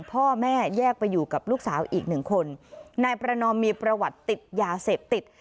พ่อแม่แยกไปอยู่กับลูกสาวอีกหนึ่งคนนายประนอมมีประวัติติดยาเสพติด